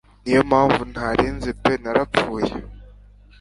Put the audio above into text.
Ni yo mpamvu ntari nzi pe narapfuye